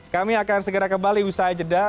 kami akan segera kembali usai jeda